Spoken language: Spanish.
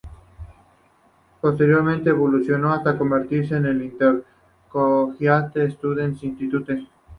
Posteriormente, evolucionó hasta convertirse en el Intercollegiate Studies Institute.